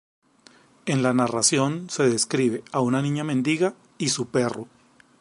En la narración, se describe a una niña mendiga y su perro.